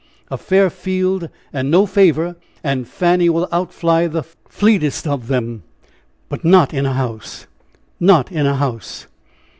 a fair field and no favor and Fanny will outfly the fleetest of them! But not in a house, not in a house!"